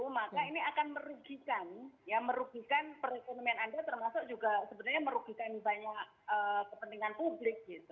maka ini akan merugikan ya merugikan perekonomian anda termasuk juga sebenarnya merugikan banyak kepentingan publik